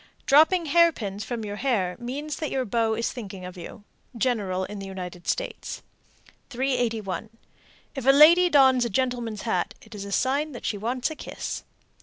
Dropping hairpins from your hair means that your beau is thinking of you. General in the United States. 381. If a lady dons a gentleman's hat, it is a sign that she wants a kiss.